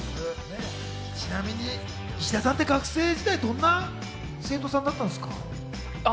ちなみに石田さんて学生時代どんな生徒さんだったんですか？